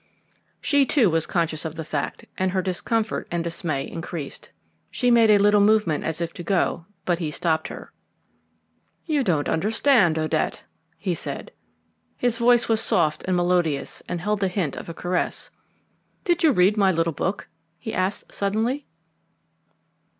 She, too, was conscious of the fact, and her discomfort and dismay increased. She made a little movement as if to go, but he stopped her. "You don't understand, Odette," he said. His voice was soft and melodious, and held the hint of a caress. "Did you read my little book?" he asked suddenly.